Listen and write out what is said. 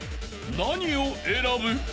［何を選ぶ？］